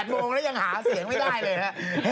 โมงแล้วยังหาเสียงไม่ได้เลยฮะ